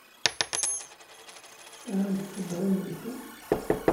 Ad am-d-ssewweɣ imensi?